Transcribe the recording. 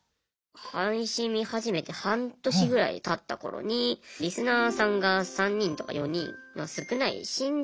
配信見始めて半年ぐらいたった頃にリスナーさんが３人とか４人の少ない新人のライバーさんの枠をですね